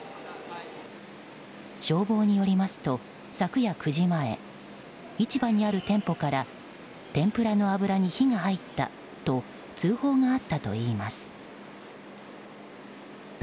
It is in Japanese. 消防によりますと、昨夜９時前市場にある店舗から天ぷらの油に火が入ったと通報があったといいます。